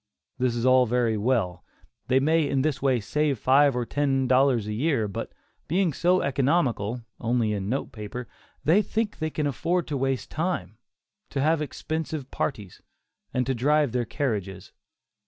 This is all very well; they may in this way save five or ten dollars a year, but being so economical (only in note paper), they think they can afford to waste time; to have expensive parties, and to drive their carriages.